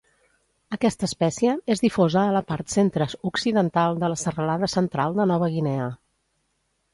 Aquesta espècie és difosa a la part centre-occidental de la serralada central de Nova Guinea.